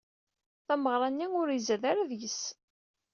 Tameɣra-nni ur izad wara deg-s.